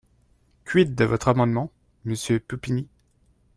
Quid de votre amendement, monsieur Pupponi?